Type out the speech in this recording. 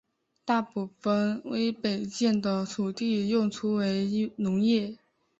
大部分威北县的土地用途为农业。